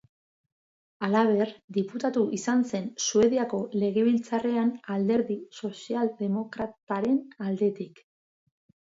Halaber, diputatu izan zen Suediako legebiltzarrean Alderdi Sozialdemokrataren aldetik.